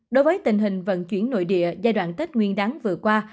đối với tình hình vận chuyển nội địa giai đoạn tết nguyên đáng vừa qua